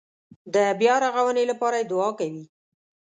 د بیارغونې لپاره یې دعا کوي.